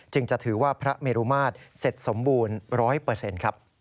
จะถือว่าพระเมรุมาตรเสร็จสมบูรณ์๑๐๐ครับ